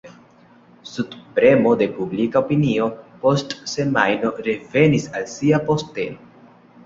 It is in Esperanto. Sub premo de publika opinio post semajno revenis al sia posteno.